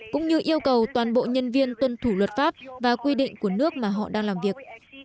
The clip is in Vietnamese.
cũng như yêu cầu toàn bộ nhân viên tuân thủ luật pháp và quy định của nước mà họ đang làm việc